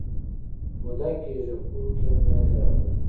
موده کېږي خوب کې هم نه یې راغلی